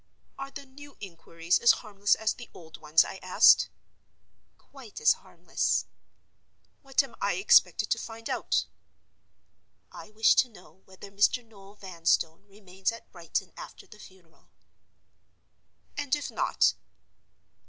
"Are the new inquiries as harmless as the old ones?" I asked. "Quite as harmless." "What am I expected to find out?" "I wish to know whether Mr. Noel Vanstone remains at Brighton after the funeral." "And if not?"